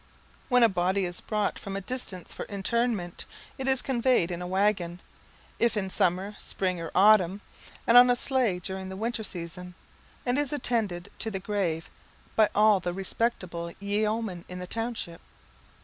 When a body is brought from a distance for interment, it is conveyed in a waggon, if in summer, spring, or autumn, and on a sleigh during the winter season, and is attended to the grave by all the respectable yeomen in the township.